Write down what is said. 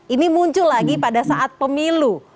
ini muncul lagi pada saat pemilu